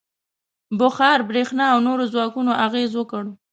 • بخار، برېښنا او نورو ځواکونو اغېز وکړ.